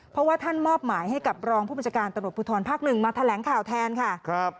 เพราะว่าท่านมอบหมายให้กับรองผู้บัญชาการตำรวจภูทรภาคหนึ่งมาแถลงข่าวแทนค่ะ